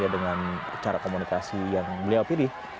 dengan cara komunikasi yang beliau pilih